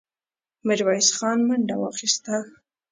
ميرويس خان منډه واخيسته.